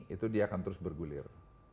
itu dia akan terus bergulir